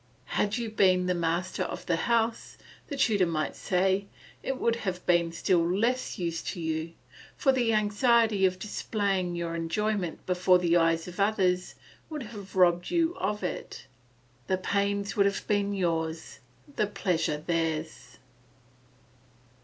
Had you been the master of the house, the tutor might say, it would have been of still less use to you; for the anxiety of displaying your enjoyment before the eyes of others would have robbed you of it; the pains would be yours, the pleasure theirs.